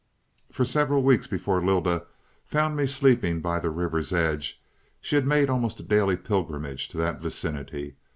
"For several weeks before Lylda found me sleeping by the river's edge, she had made almost a daily pilgrimage to that vicinity.